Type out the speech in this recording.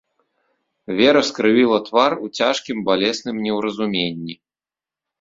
Вера скрывіла твар у цяжкім балесным неўразуменні.